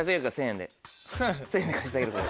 １０００円で貸してあげるこれ。